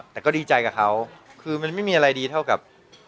แต่ก็ดีใจกับเขาคือมันไม่มีอะไรดีเท่ากับ